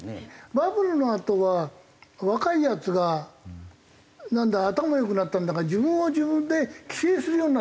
バブルのあとは若いヤツがなんだ頭が良くなったんだか自分を自分で規制するようになったよね。